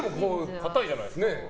硬いじゃないですか。